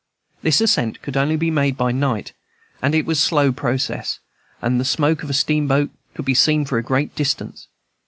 This ascent could only be made by night, as it was a slow process, and the smoke of a steamboat could be seen for a great distance.